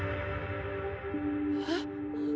えっ。